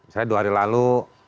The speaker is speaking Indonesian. saya dua hari lalu